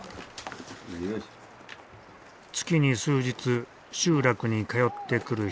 月に数日集落に通ってくる人がいる。